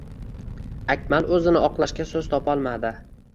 Akmal o`zini oqlashga so`z topolmadi